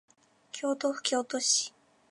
京都府京都市